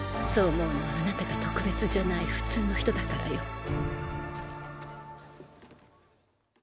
そう思うのはあなたが特別じゃない普通の人だからよ。